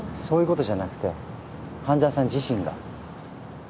そういうことじゃなくて半沢さん自身が。